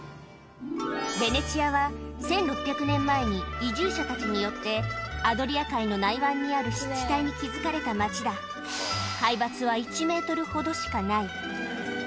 ベネチアは１６００年前に移住者たちによってアドリア海の内湾にある湿地帯に築かれた町だんっおっと。